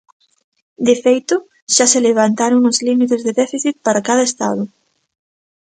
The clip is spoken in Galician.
De feito, xa se levantaron os límites de déficit para cada estado.